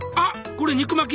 これ肉巻き！